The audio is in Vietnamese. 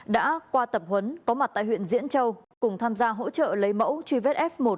đã qua tập huấn có mặt tại huyện diễn châu cùng tham gia hỗ trợ lấy mẫu truy vết f một